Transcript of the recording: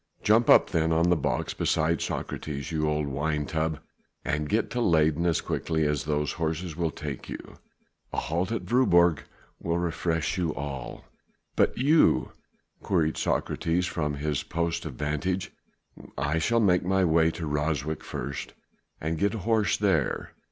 "Jump up then on the box beside Socrates, you old wine tub, and get to Leyden as quickly as these horses will take you. A halt at Voorburg will refresh you all." "But you?" queried Socrates from his post of vantage. "I shall make my way to Ryswyk first and get a horse there.